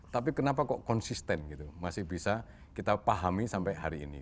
tapi kenapa kok konsisten gitu masih bisa kita pahami sampai hari ini